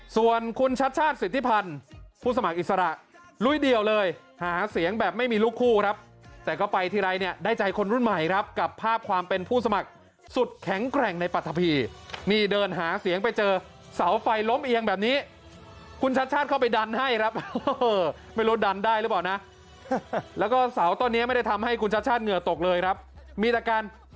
ส่วนคุณชัดชาติสิทธิพันธ์ผู้สมัครอิสระลุยเดี่ยวเลยหาเสียงแบบไม่มีลูกคู่ครับแต่ก็ไปทีไรเนี่ยได้ใจคนรุ่นใหม่ครับกับภาพความเป็นผู้สมัครสุดแข็งแกร่งในปรัฐพีนี่เดินหาเสียงไปเจอเสาไฟล้มเอียงแบบนี้คุณชัดชาติเข้าไปดันให้ครับไม่รู้ดันได้หรือเปล่านะแล้วก็เสาต้นนี้ไม่ได้ทำให้คุณชัดชาติเหงื่อตกเลยครับมีแต่การ